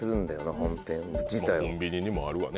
コンビニにもあるわね。